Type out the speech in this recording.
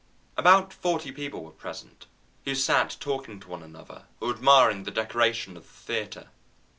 About forty people were present, who sat talking to one another, or admiring the decoration of the theatre.